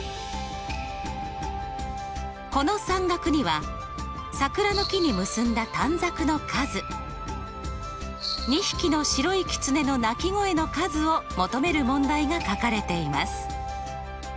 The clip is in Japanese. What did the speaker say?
この算額には桜の木に結んだ短冊の数２匹の白い狐の鳴き声の数を求める問題が書かれています。